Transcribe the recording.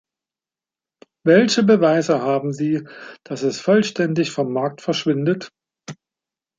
Welche Beweise haben Sie, dass es vollständig vom Markt verschwindet?